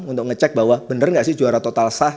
untuk ngecek bahwa benar nggak sih juara total sah